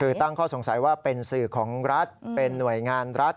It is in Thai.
คือตั้งข้อสงสัยว่าเป็นสื่อของรัฐเป็นหน่วยงานรัฐ